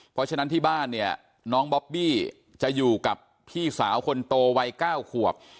เพราะฉะนั้นที่บ้านเนี่ยน้องบอบบี้จะอยู่กับพี่สาวคนโตวัย๙ขวบ